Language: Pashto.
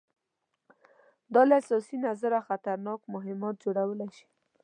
دا له سیاسي نظره خطرناک مهمات جوړولی شي.